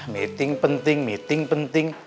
meeting penting meeting penting